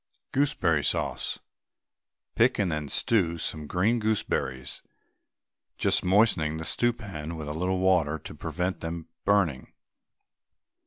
GOOSEBERRY SAUCE. Pick and then stew some green gooseberries, just moistening the stewpan with a little water to prevent them burning.